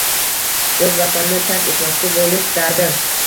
o‘z vatanini tark etmoqchi bo‘lish dardi!